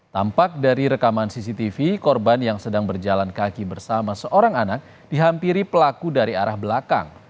tampak dari rekaman cctv korban yang sedang berjalan kaki bersama seorang anak dihampiri pelaku dari arah belakang